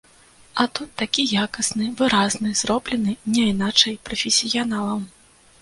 А тут такі якасны, выразны, зроблены няйначай прафесіяналам.